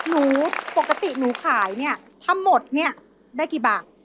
รูปกติที่หนูขายเนี่ยถ้าหมดได้กี่บาท